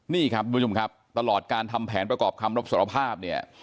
นี่ครับทุกผู้ชมครับตลอดการทำแผนประกอบคำรับสารภาพเนี่ย